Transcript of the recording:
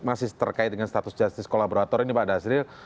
masih terkait dengan status justice kolaborator ini pak dasril